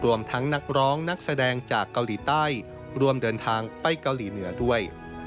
ทั้งนักร้องนักแสดงจากเกาหลีใต้รวมเดินทางไปเกาหลีเหนือด้วย